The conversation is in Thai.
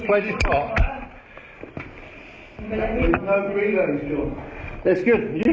อาทิตย์ตอนนี้แต่เรากลับตอนนี้